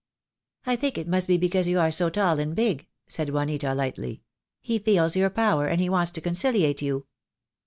"I think it must be because you are so tall and big," said Juanita lightly. "He feels your power, and he wants to conciliate you."